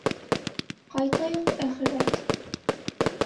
- Ҡайтайыҡ, әхирәт.